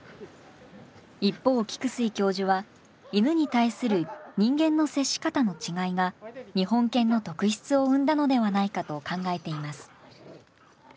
一方菊水教授は犬に対する人間の接し方の違いが日本犬の特質を生んだのではないかと考えています。